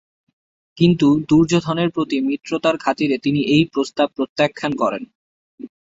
কিন্তু দুর্যোধনের প্রতি মিত্রতার খাতিরে তিনি এই প্রস্তাব প্রত্যাখ্যান করেন।